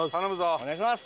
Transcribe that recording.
お願いします。